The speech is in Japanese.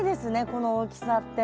この大きさって。